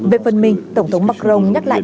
về phần mình tổng thống macron nhắc lại